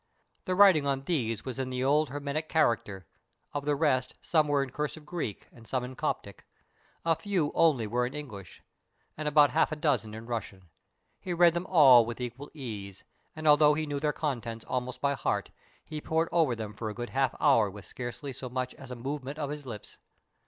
The writing on these was in the old Hermetic character; of the rest some were in cursive Greek and some in Coptic. A few only were in English, and about half a dozen in Russian. He read them all with equal ease, and although he knew their contents almost by heart, he pored over them for a good half hour with scarcely so much as a movement of his lips.